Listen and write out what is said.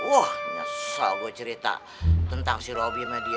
wah nyesel gue cerita tentang si robby sama dia